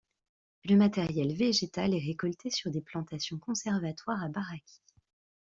Le matériel végétal est récolté sur des plantations conservatoires à Baraki.